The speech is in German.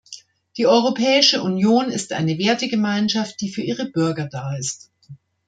Die Europäische Union ist eine Wertegemeinschaft, die für ihre Bürger da ist.